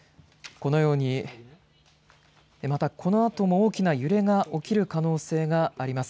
このようにまた、このあとも大きな揺れが起きる可能性があります。